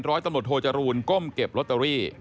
ร้อยตำรวจโทจรูลก้มเก็บลอตเตอรี่